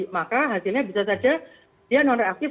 maka hasilnya bisa saja dia non reaktif